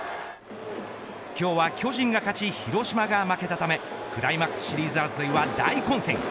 今日は巨人が勝ち、広島が負けたため、クライマックスシリーズ争いは大混戦。